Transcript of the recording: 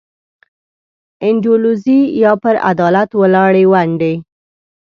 انډولیزي یا پر عدالت ولاړې ونډې.